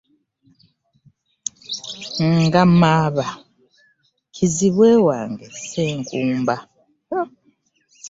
Ngamaba kzibwe wange ssenkumba .